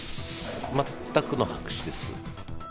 全くの白紙です。